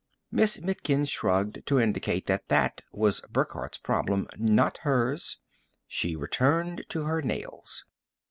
Miss Mitkin shrugged to indicate that that was Burckhardt's problem, not hers. She returned to her nails.